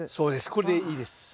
これでいいです。